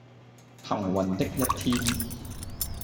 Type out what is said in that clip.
幸運的一天